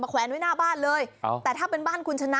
แขวนไว้หน้าบ้านเลยแต่ถ้าเป็นบ้านคุณชนะ